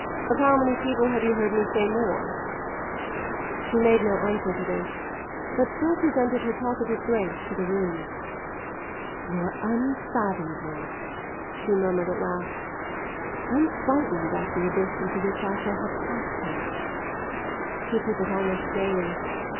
Of how many people have you heard me say more?" She made no answer to this, but still presented her talkative grace to the room. "You're unfathomable," she murmured at last. "I'm frightened at the abyss into which I shall have cast her." He took it almost gaily.